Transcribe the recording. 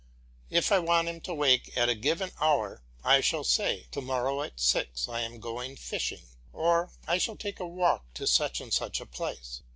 If I want him to wake at a given hour I shall say, "To morrow at six I am going fishing," or "I shall take a walk to such and such a place.